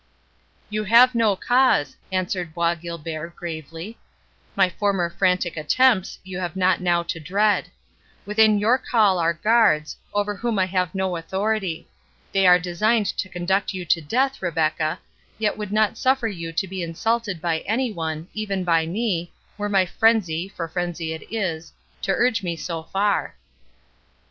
"You have no cause," answered Bois Guilbert, gravely; "my former frantic attempts you have not now to dread. Within your call are guards, over whom I have no authority. They are designed to conduct you to death, Rebecca, yet would not suffer you to be insulted by any one, even by me, were my frenzy—for frenzy it is—to urge me so far."